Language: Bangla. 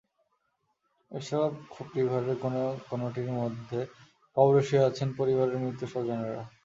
এসব খুপরিঘরের কোনো কোনোটির মধ্যে কবরে শুয়ে আছেন পরিবারের মৃত স্বজনেরা।